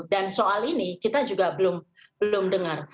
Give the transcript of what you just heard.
dan soal ini kita juga belum dengar